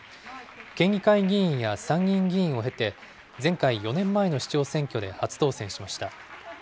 県議会議員や参議院議員を経て、前回・４年前の選挙で初当選しました。